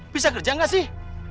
bisa kerja enggak sih